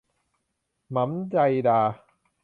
หมำใจดา !